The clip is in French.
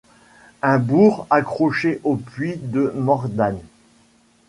Un bourg accroché au Puy de Mordagne.